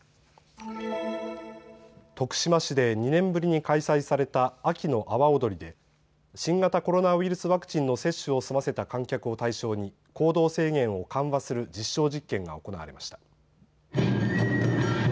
徳島市で２年ぶりに開催された秋の阿波おどりで新型コロナウイルスワクチンの接種を済ませた観客を対象に行動制限を緩和する実証実験が行われました。